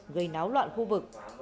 gây náo loạn khu vực